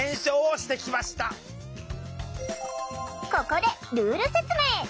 ここでルール説明！